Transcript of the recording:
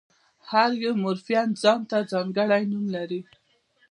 هر یو مورفیم ځان ته ځانګړی نوم لري.